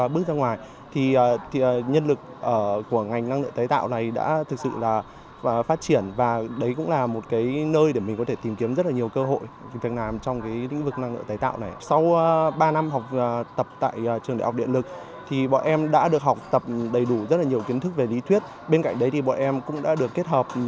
bên cạnh đấy thì bọn em cũng đã được kết hợp